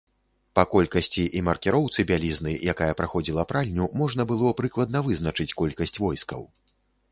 Па колькасці і маркіроўцы бялізны, якая праходзіла пральню, можна было прыкладна вызначыць колькасць войскаў.